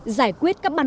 giải quyết các băn bộ